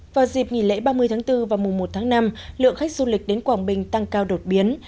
vào dịp nghỉ lễ ba mươi tháng bốn và mùa một tháng năm lượng khách du lịch đến quảng bình tăng cao đột biến